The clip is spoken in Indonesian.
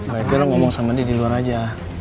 baiknya lo ngomong sama dia di luar aja